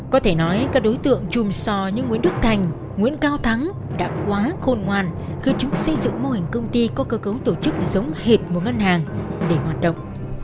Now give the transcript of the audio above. có thể nói các đối tượng chùm sò như nguyễn đức thành nguyễn cao thắng đã quá khôn ngoan khi chúng xây dựng mô hình công ty có cơ cấu tổ chức giống hệt một ngân hàng để hoạt động